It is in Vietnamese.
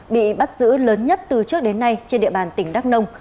bị bắt giữ lớn nhất từ trước đến nay trên địa bàn tỉnh đắk nông